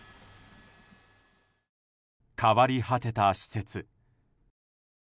変わり果てた施設。